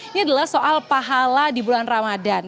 ini adalah soal pahala di bulan ramadan